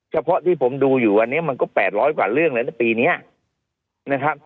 เฉพาะที่ผมดูอยู่วันนี้มันก็๘๐๐กว่าเรื่องเลยนะปีนี้นะครับ